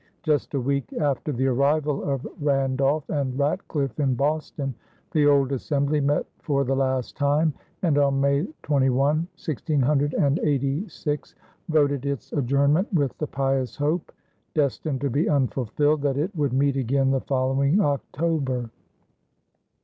Just a week after the arrival of Randolph and Ratcliffe in Boston, the old assembly met for the last time, and on May 21, 1686, voted its adjournment with the pious hope, destined to be unfulfilled, that it would meet again the following October.